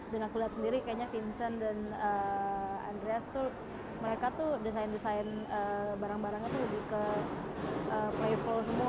dan aku lihat sendiri kayaknya vincent dan andreas tuh mereka tuh desain desain barang barangnya tuh lebih ke playful semua gitu